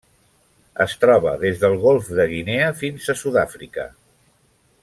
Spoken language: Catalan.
Es troba des del Golf de Guinea fins a Sud-àfrica.